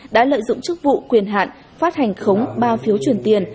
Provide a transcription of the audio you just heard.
đã lợi dụng chức vụ quyền hạn phát hành khống ba phiếu chuyển tiền